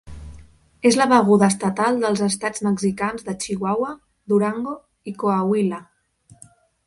És la beguda estatal dels estats mexicans de Chihuahua, Durango i Coahuila.